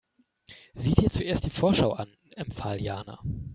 Sieh dir zuerst die Vorschau an, empfahl Jana.